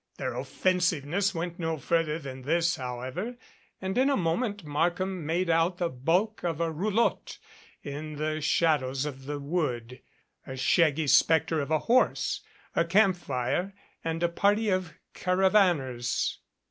Their offensiveness went no further than this, however, and in a moment Markham made out the bulk of a roulotte in the shadows of the wood, the shaggy specter of a horse, a camp fire, and a party of caravaners.